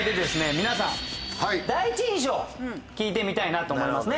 皆さん第一印象聞いてみたいなと思いますね。